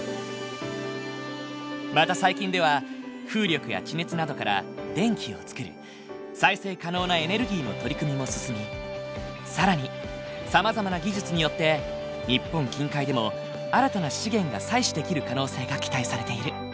また最近では風力や地熱などから電気をつくる再生可能なエネルギーの取り組みも進み更にさまざまな技術によって日本近海でも新たな資源が採取できる可能性が期待されている。